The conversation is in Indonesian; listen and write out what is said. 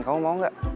kamu mau gak